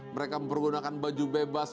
mereka mempergunakan baju bebas